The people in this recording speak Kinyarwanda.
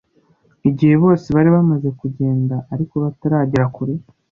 Igihe bose bari bamaze kugenda ariko bataragera kure